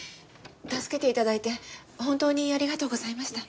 助けて頂いて本当にありがとうございました。